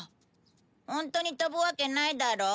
ホントに飛ぶわけないだろう。